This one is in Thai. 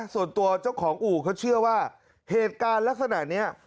ส่วนตัวเจ้าของอู่เขาเชื่อว่าเหตุการณ์ลักษณะนี้